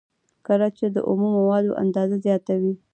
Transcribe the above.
کله چې د اومو موادو اندازه زیاته وي